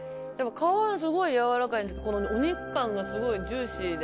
皮すごいやわらかいですけどお肉感が、すごいジューシーで。